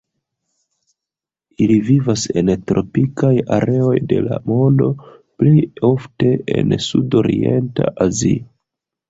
Ili vivas en la tropikaj areoj de la mondo, plej ofte en sudorienta Azio.